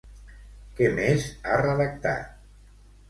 Què més ha redactat?